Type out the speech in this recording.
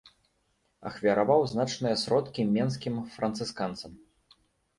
Ахвяраваў значныя сродкі менскім францысканцам.